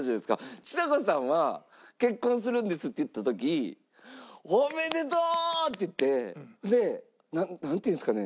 ちさ子さんは「結婚するんです」って言った時「おめでとう！」って言ってでなんていうんですかね？